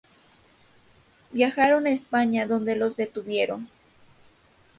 Viajaron a España, donde los detuvieron.